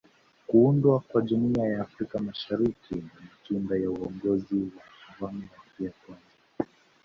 kuundwa kwa Jumuiya ya Afrika Mashariki ni matunda ya uongozi wa awamu ya kwanza